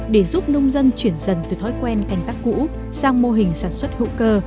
để giúp nông dân chuyển dần từ thói quen canh tác cũ sang mô hình sản xuất hữu cơ